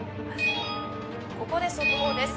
ここで速報です